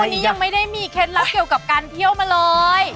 วันนี้ยังไม่ได้มีเคล็ดลับเกี่ยวกับการเที่ยวมาเลย